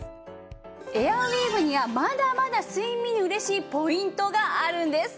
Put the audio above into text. エアウィーヴにはまだまだ睡眠に嬉しいポイントがあるんです。